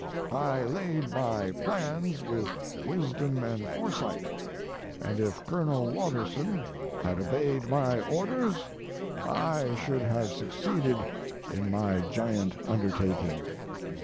I laid my plans with wisdom and foresight, and if Colonel Watterson had obeyed my orders I should have succeeded in my giant undertaking.